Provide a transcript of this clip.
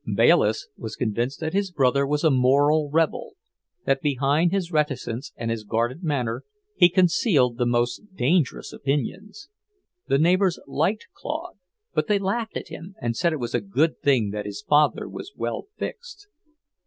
Bayliss was convinced that his brother was a moral rebel, that behind his reticence and his guarded manner he concealed the most dangerous opinions. The neighbours liked Claude, but they laughed at him, and said it was a good thing his father was well fixed.